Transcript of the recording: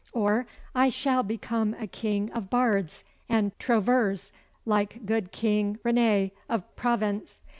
Or I shall become a king of bards and trouveurs, like good King Rene of Provence.